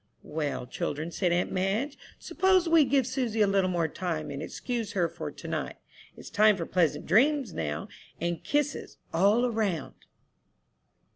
"Well, children," said aunt Madge, "suppose we give Susy a little more time, and excuse her for to night? It's time for pleasant dreams now, and kisses all 'round."